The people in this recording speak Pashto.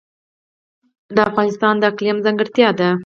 اقلیم د افغانستان د اقلیم ځانګړتیا ده.